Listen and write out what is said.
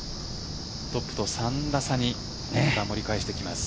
トップと３打差に盛り返してきます。